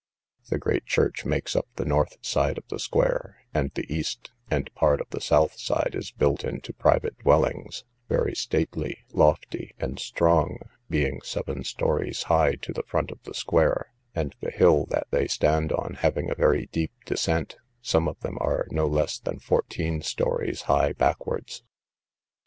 The great church makes up the north side of the square, and the east, and part of the south side, is built into private dwellings, very stately, lofty, and strong, being seven stories high to the front of the square, and the hill that they stand on having a very deep descent; some of them are no less than fourteen stories high backwards.